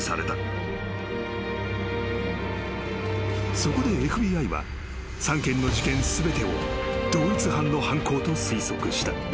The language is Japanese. ［そこでＦＢＩは３件の事件全てを同一犯の犯行と推測した］